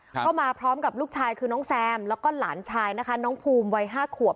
ก็มาพร้อมกับลูกชายคือน้องแซมแล้วก็หลานชายนะคะน้องภูมิวัยห้าขวบ